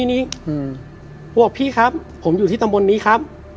นี้บอกพี่ครับผมอยู่ที่ตำบลนี้ครับ